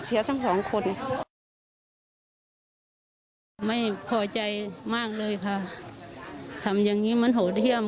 ทั้งสองคนไม่พอใจมากเลยค่ะทำอย่างงี้มันโหดเยี่ยม